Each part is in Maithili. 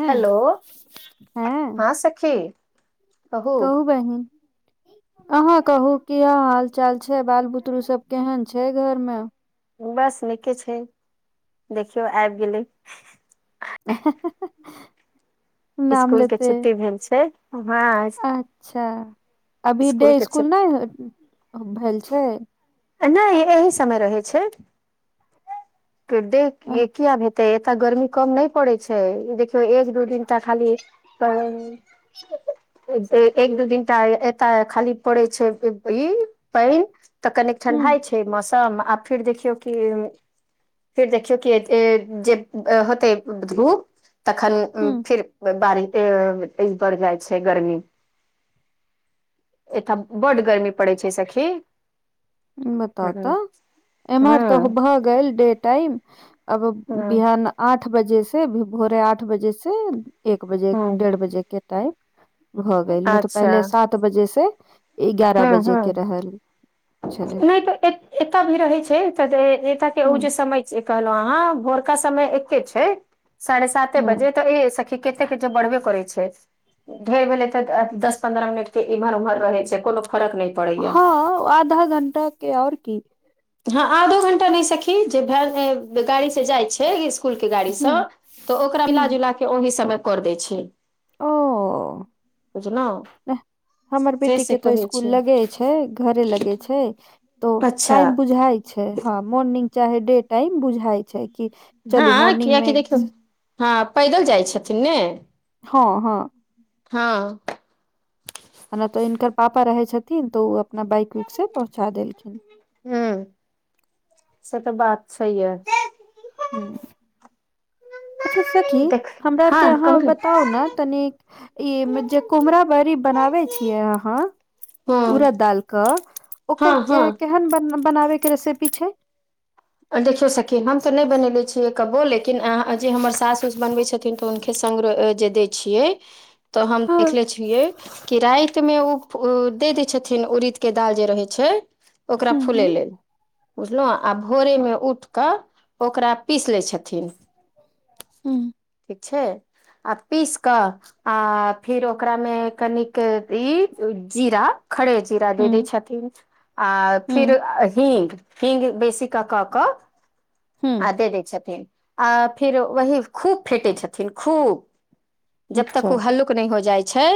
हँ हेलो हँ सखी कहू कहु बहिन अहाँ कहू किया हाल चाल छै बाल बुतरु सब केहन छै घर मे बस नीके छै देखियौ आबि गेलै हेंहेंहें इसकुल के छुट्टी भेल छै हँ अच्छा अभी स्कूल डे के छै इसकुल नय भेल छै नय एहि समय रहै छै देख अ, के कीया भेल तऽ एतऽ गर्मी कम नय पड़ै छै ई देखियौ एक दू दिन तऽ खाली शप एक दू दिनटा एटा खाली पड़ै छै ई पनि तऽ कनिक हूँ ठंडाई छै मौसम आ फेर देखियौ कि फिर देखियौ कि जे होते धूप तखन हूँ फिर बारी जेतय भर जाइ छै गरमी अय ठम बड गर्मी पड़ै छै सखी हूँ बताउ तऽ एम्हर तो हूँ भऽ गेल डे टाइम अब हूँ बिहान आठ बजे से भोरे आठ बजे से एक बजे हूँ डेढ़ बजे के टाइम भऽ गेल नय तऽ अच्छा पहिले सात बजे से एगारह बजे के रहल छलै नय तऽ एते एतय भी रहै छै तऽ एत के हूँ जे समय छै कहलहु अहाँ भोरका समय एके छै साढ़े साते हँ बजे तऽ ए सखी कतेक के जे बढ़बे करै छै ढेर भेलै तऽ दस पंन्द्रह मिनट के इम्हर उम्हर रहै छै कोनो फरक नय हँ आधा घंटा के आओर की हँ आधो घंटा नय सखी जे भ गाड़ी से जाइ छै इसकुल के गाड़ी सऽ तऽ ओकरा हूँ मिलाजुला के ओहि समय कर दै छै ओ बुझलहुँ हमर से बेटी से के तो कहै स्कूल छै लगे छै छै घरे लगै छै तो अच्छा टाइम बुझाय छै ह मोर्निंग चाहे डे टाइम बुझाइ छै कि चलू हँ मोर्निंग मे कियकि देखियौ हँ पैदल जाइ छथिन ने हऽ हऽ हऽ न तऽ इनकर पापा रहै छथिन तऽ ओ अपना बाइक उइक से पहुँचा देलखिन हू [inaudible] से तऽ बात छै यऽ [unintelligible] की देख हमरा आर हँ केँ अहाँ कहू ने बताउ न तनिक ई जे कुम्हरा बरी बनाबै छि यै अहाँ हँ उड़द दाल कऽ हँ ओकर हँ केहन बन बनाबे केँ रेसेपी छै देखियौ सखी हम तऽ नै बनने छियै कबो लेकिन जे हमर सास उस बनबै छथिन उनखै संग र जे दै छियै [unintelligible] तऽ हम हँ देखले छियै कि राइत में ओ दे दै छथिन उड़द केँ दाल जे रहै छै ओकरा हूँ फुले लेल बुझलु आब भोरे में उठ कऽ ओकरा पीस लै छथिन [unintelligible] ठीक छै आ पीस कऽ आ फिर ओकरा में कनिक ई जीरा खड़े जीरा दे दै हूँ छथिन आ फिर हूँ हिंग हिंग बेसी कऽ कऽ कऽ आ हूँ दे दै छथिन आ फिर वही खूब फेटै छथिन खूब जब तक अच्छा ओ हल्लुक नै हो जाइ छै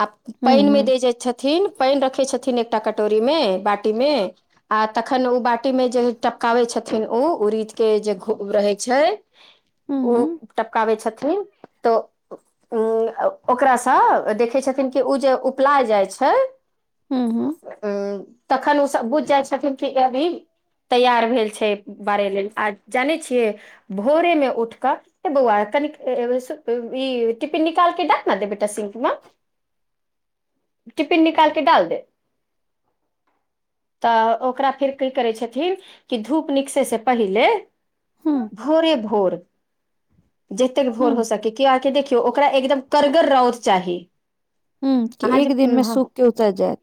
आ हूँ पाइन में हूँ दे जय छथिन पाइन रखै छथिन एकटा कटोरी में बाटी में आ तखन उ बाटी में जे टपकावे छथिन ओ उड़ीद केँ जे घो रहै छै हूँ ओ हूँ टपकाबै छथिन तऽ [unintelligible] ओकरा स देखै छथिन कि ओ जे उपलाय जाइ छै [unintelligible] तखन उऽ सभ बुझ जाइ छथिन कि अभी तैयार भेल छै बारे लेल आ जानै छियै भोरे में उठ कऽ रे बौआ कनिक [unintelligible] ई टिफिन निकालके डाक न दे बेटा सिंक म [unintelligible] टिफिन निकाल केँ डाल दे तऽ ओकरा फेर की करे छथिन की धूप निक तै से पहिले हूँ [inaudible] भोरे भोर जतेक भोर हो हूँ सकै किया कऽ देखियौ ओकरा एकदम करगर रौद चाही हूँ कि अहाँ एक जे दिन मे [unintelligible] सूख के उतर जायत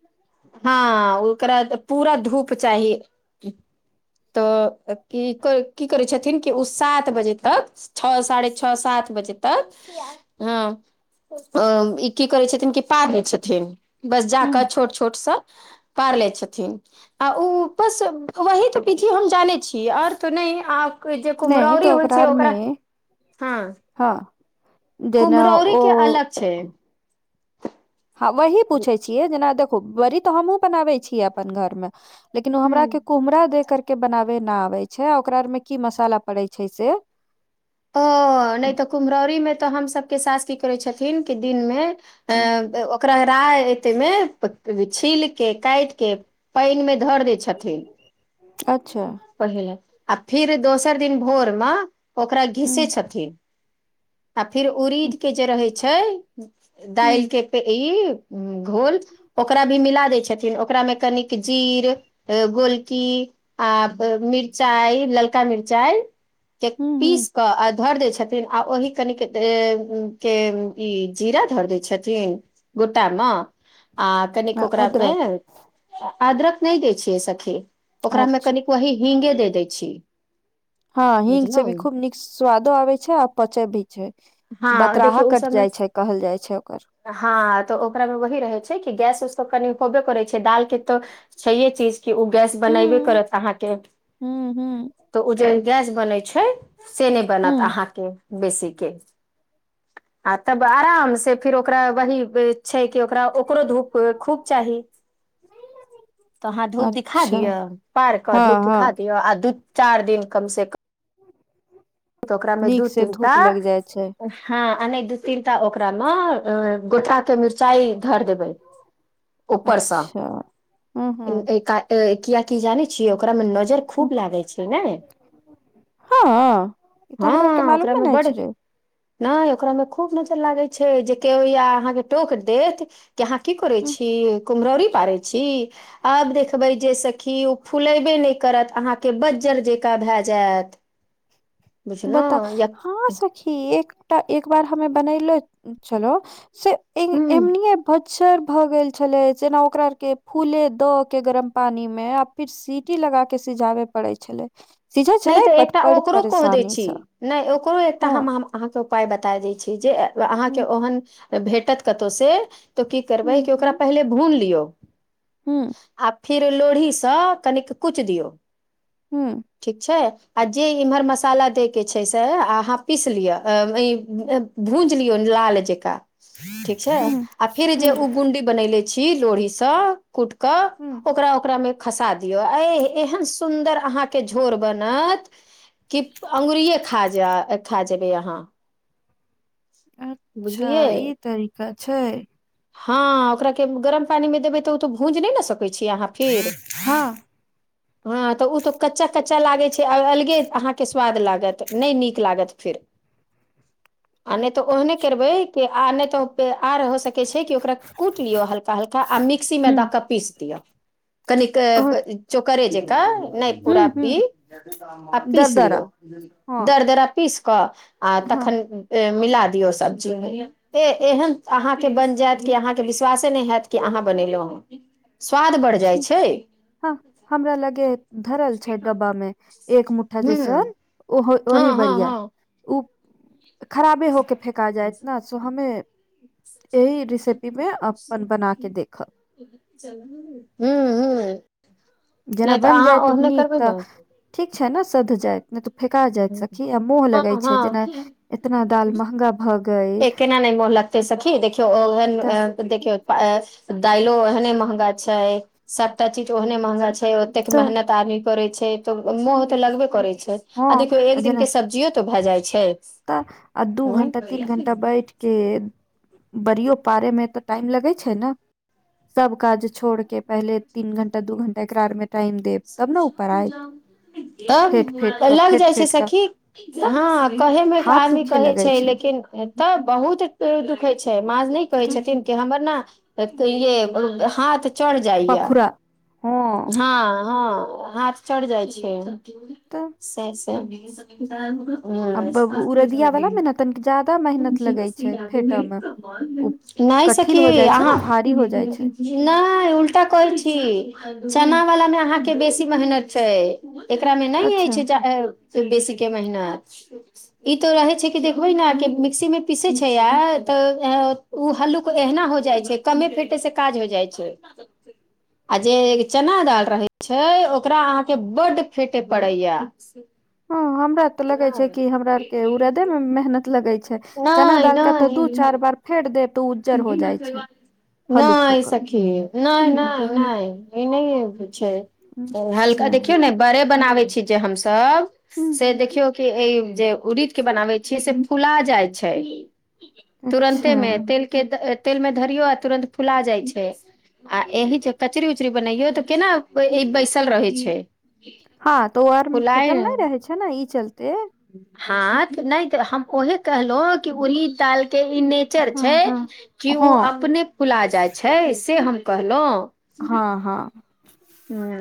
हँ ओकरा तऽ पूरा धूप चाही [inaudible] तऽ की की करै छथिन कि ओ सात बजे तक छ साढ़े छ सात बजे तक हँ अ ई की करै छथिन कि पार लै छथिन बस जा हूँ कऽ छोट छोट स पार लै छथिन आ उऽ बस वही तऽ विधियो हम जाने छी की और तऽ नै आ जे नहि तऽ कुम्हरौरी होइ छै आर मे ओकरा [inaudible] हँ हँ [inaudible] देना कुम्हरौरी ओ के अलग छै हँ वही पूछै छियै जेना देखू बड़ी तऽ हमहुँ बनाबै छीयै अपन घर मे लेकिन ओ हमरा हूँ के कोमहरा दे कर के बनावे न आवे छै आ ओकरा आर मे की मसाला पड़ै छै से ओ नय तऽ कुम्हरौरीमे तऽ हमसभके सांस कि करै छथिन कि दिन मे अए ओकरा एते मे छील के काइट के पनि मे धर दे छथिन अच्छा पहिले आ फिर दोसर दिन भोर मे ओकरा खीसै हूँ छथिन आ फिर उरीद के जे रहै छै दालि हूँ के ई घोल ओकरा भी मिला दै छथिन ओकरा मे कनिक जीर गोलकी आ मिरचाइ ललका मिरचाइ के हूं हूं पीस क धर दै छथिन आ ओहि कनिक के ई जीरा धर दै छथिन घुटा मऽ आ कनिक आ ओकरा मे अदरक अदरक नय दै छियै सखी ओकरा मे अच्छा कनिक वही हींगे दे दै छी हँ हिंग से भी बुझलहुँ खूब नीक स्वादो आबै छै आ पचै भी छै हँ बतराहा देखियौ ओ कटि सबमे जाइ छै कहल जाइ छै ओकर हँ तऽ ओकरा मे वही रहै छै कि गसि उस कनि होबे करै छै दाल के तऽ छै हे कि कि ओ गैस हूं बनईबे करत अहाँके हूं हूं तऽ ओ जे गसि बनै छै से नय बनत हूं अहाँके बेसीे के आ तब आराम से फिर ओकरा वही छै कि ओकरा ओकरो धूप खूब चाही तऽ अहाँ धूप दिखा अच्छा दिअ पार क हँ धूप हँ दिखा दिअ आ धूप चार दिन कम से कम ओकरा मे नीक दू से तीन टा धूप लग जाइ छै हँ आ नय दू तीन टा ओकरा मे गोठा के मिरचाई धर देबै उपरस अच्छा हूं हूं ईका कियाकि जानै छियै ओकरा मे नजर हूं खूब लागै छै नय हँ ईतऽ हमरा आर के मालुमे नय छलै नय ओकरा मे खूब नजर लागै छै जे केओ या अहाँके टोक देत कि अहाँ की करै छी यौ कुम्हरौरी पारै छी आब देखबै जे सखि ओ फुलेबे नय करत अहाँके बज्जर जकाँ भए जायत बताउ बुझलहुँ या हँ सखी एकटा एक बार हमे बनेले छलौ से ए ह एमनीये बजर भए गेल छलै जेना ओकरा आर के फूले द के गरम पानी मे आ फिर सीटी लगा के सिझाबे पड़ै छलै सिझे नहि छलै तऽ बट एकटा बड़ ओकरो पड़ेशानि कहि छी नय ओकरो एकटा हम अहाँके उपाय बता दै छी जे अहाँके हूँ ओहन भेटत कतौ से तऽ की करबै हूँ कि ओकरा हूँ पहिले भून लियौ हूँ आ फिर लोढ़ीसँ कनिक कुच दियौ हूं ठीक छै आ जे इम्हर मसाला दयके छै से अहाँ पीस लिअ भूज लियौ लाल जकाँ ठीक छै हूँ आ फेर जे हूँ ओ बुडी बनैले छी लोढ़ीसँ कूटकऽ हूँ ओकरा ओकरा मे खसा दियौ ए एहन सुन्दर अहाँ के झोर बनत कि अंगुरए खा खा जेबै अहाँ अच्छा बुझलियै ई तरीका छै हँ ओकरा के गरम पानी मे देबे त तो भूंज न सक होइ छिये अहा फिर हँ हाँ उ त कच्चा कच् कच्चा लागै छै आ अलगे अहाँ के स्वाद लागत नय नीक लागत फेर आ नय हूँ तऽ ओहने करबै कि आ नय तऽ आ हो स के ओकरा कूट लियौ हलका हल्का आ मिक्सी मे दऽ कऽ पीस दियऔ कनिक चोकरे जेका नय पूरा हूँ हूँ पी आ पीस लियो दरदरा हँ दर दरा पीस कऽ आ हँ तखन मिला दियौ सब्जी मे ए एहन अहाँके बनि जायत कि अहाँके विश्वासे नय हयैत कि अहाँ बनेलहुँ हे स्वाद बढ़त जाइ ठीक छै हँ हमरा लगे धरल छै डब्बा मे एक मु्ठा ह जैसन ओहो हँ ओहि हँ बढ़िआ हँ ओ खराबे होके फेका जायत ना सो हमे एहि रेसिपी मे अपन बना के देखब हू हू जेना बन जायत नीक ने तऽ ठीक छै ने सध जायत फेका जायत सखी आ मोह लगे हँ छै जेना हँ इतना दाल महंगा भ गय ए केना नै मोह लग त सखी देखियौ ओन तऽ देखियौ दइलो एहने महगा छै सभटा चीज ओहने महँंगा छै ओतेक तऽ मेहनत आदमी करैत छै तऽ मोह तऽ लगबे करैत छै आ देखियौ हँ एक दिन जेना के सब्जियो तो भए जाइ छै तऽ आ दू घंटा तीन घंटा बैठ के बड़ियो पारै मे तऽ टाइम लगैत छै ने सब काज छोड़ के पहिले तीन घंटा दू घंटा एकरा आर मे टाइम देब तब ने ऊपर आयत फेट तब फेट क लग फेट जाइ छै फेट क सखी तऽ हँ कहे मे त हाथ आदमी दुखे कहे लगै छै लेकिन एतऽ बहुत दुखे छै माज़ नय कहे तऽ छथिन कि हमर न हाथ चढ़ जाइया पाखुरा हँ हँ हँ हाथ चड़ि जाइ छै तऽ से से हू अब उरदिया वाला मे ने तनिक जादा मेहनत लगै छै फेटय मे उ [unintelligible] नय कठिल सखी हो जाइ छै ने अहाँ भारी हो जाइ छै नय उल्टा कहै छी ह चना वला मे अहाँके बेसी मेहनत छै एकरा मे नय अच्छा अछि ज ये त बेसी के मेहनत ई तो रहे छै कि देखबै ने कि मिक्सी मे पीसे छै आ तऽ ओ हल्लुक एहिना हो जाइ छै कमे फेटे से काज हो जाइ छै आ जे चना दाल रहे छै ओकरा अहाँके बड फेटे पड़े या हँ हमरा तऽ लगै छै कि हमरा आर के उरादे मे मेहनत लगै छै चना नहि दाल क तऽ दू चारि बार फेट देत उ नय सखी नय नय नय ई नय छै हल्का अच्छा देखियौ ने बड़े बनाबै छी जे हमसब ह से देखियौ कि एहि जे उरीद के बनाबै छियै से फुला जाइ छै अच्छा तुरन्तेमे तेलके तेलमे धरियौ आ तुरन्त फुला जाइ छै आ एहि जे कचरी उचरी बनाैयो तऽ केना ई बैसल रहै छै हँ तऽ ओ आर मे फेटल न फुलाय रहै छै न ई चलते हँ तऽ नय तऽ हम ओहे कहलौं की उरीद दाल के ई नय हँ छै हँ कि उ हँ अपने फुला जाइ छै से हम कहलौं हँ हँ हुँ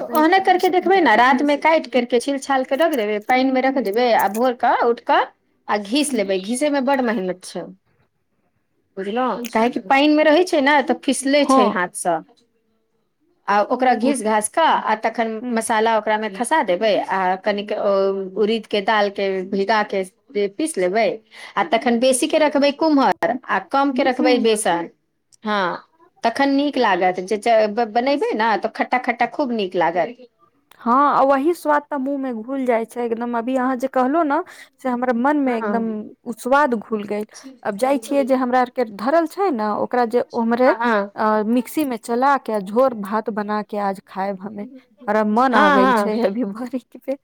तऽ कही ओहनै कह करके सकी देखबै न रात मे काटि करके छील छालके रख देबै पाइन मे रख देबै आ भोरका उठक आ घीस लेबै घीसे मे बड्ड मेहनत छै उ बुझलौं काहेकि पानि मे रहै छै ने तऽ फिसले हँ छै हाथसँ आ ओकरा उ घीस घासक आ तखन मसाला ओकरामे खसा देबै आ कनिक उरीदके दाल के भीगा के बे पीस लेबै आ तखन बेसी के रखबै कुम्हर आ कम के रखबै ह बेसन हँ तखन नीक लागत जे ज ब बनैबै न तऽ खट्टा खट्टा खूब नीक लागत हँ आ वही स्वाद तऽ मुँह मे घूल जाइ छै एकदम अभी अहाँ जे कहलो न से हमरा मन मे हँ एकदम उस्वाद घूल गेल अब जाइ छियै जे हमरा आर के धरल छै ने ओकरा जे उम्हरे हँ हँ अ मिक्सी मे चला के आ झोर भात बना के आज खायब हमे हमरा मन आ हँ गेल छै हँ अभी भरे के फेर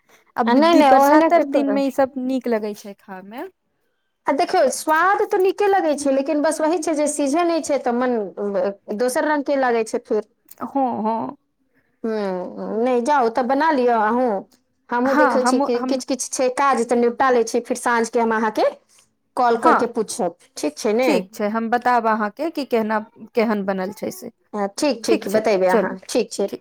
आ आबि नहि दी नहि ओहने के बरसातक तो दिन मे ई सब सब नीक लगै छै खा मे आ देखियौ स्वाद तऽ नीके लगै छै लेकिन बस वही छै जे सीझन छै तऽ मन दोसर रंग के लागै छै फिर हँ हँ हुँ नय जाउ तऽ बना लिय अहूँ हमहुँ हँ देखै छी हम कि हम किछु किछु छै काज तऽ निपटा लै छी फीर साँझ के हम अहाँके कॉल करके पूछब ठीक छै ने से हम बताब अहाँके की केहना केहन बनल छै से हँ ठीक ठीक बतेबै अहाँ ठीक छै